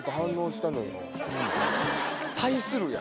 対するや。